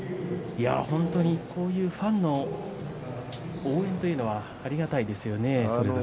こういうファンの応援というのはありがたいですよね。